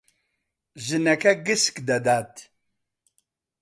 ژنەکە گسک دەدات.